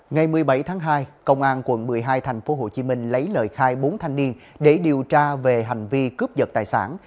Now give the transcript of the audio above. ngày một mươi bảy tháng hai công an quận một mươi hai tp hcm lấy lời khai bốn thanh niên để điều tra về hành vi cướp giật tài sản